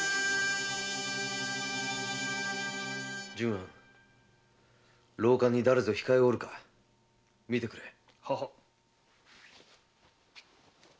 順庵廊下に誰ぞ控えおるか？見てくれ。ははっ。